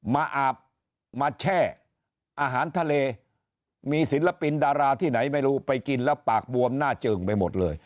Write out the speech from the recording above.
อาบมาแช่อาหารทะเลมีศิลปินดาราที่ไหนไม่รู้ไปกินแล้วปากบวมหน้าเจิงไปหมดเลย